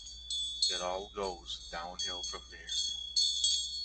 It all goes downhill from there.